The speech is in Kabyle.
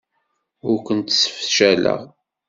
Ur kent-ssefcaleɣ.